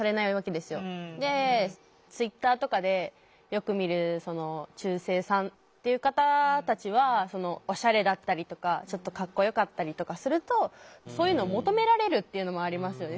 ツイッターとかでよく見る「中性さん」っていう方たちはオシャレだったりとかちょっとかっこよかったりとかするとそういうのを求められるっていうのもありますよね。